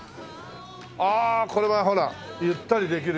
ああこれはほらゆったりできるし。